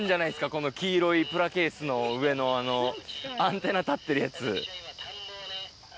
この黄色いプラケースの上の、アンテナ立ってるやつ。